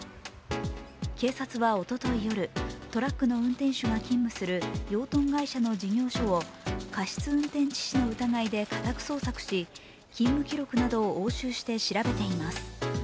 警察はおととい夜、トラックの運転手が勤務する養豚会社の事業所を過失運転致死などの疑いで家宅捜索し勤務記録などを、押収して調べています。